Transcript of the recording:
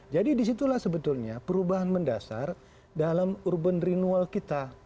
jadi disitulah sebetulnya perubahan mendasar dalam urban renewal kita